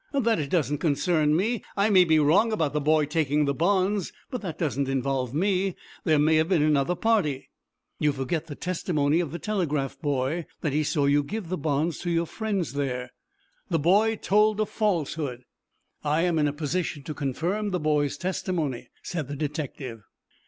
"That it doesn't concern me. I may be wrong about the boy taking the bonds, but that doesn't involve me. There may have been another party." "You forget the testimony of the telegraph boy that he saw you give the bonds to your friend there." "The boy told a falsehood!" "I am in a position to confirm the boy's testimony," said the detective.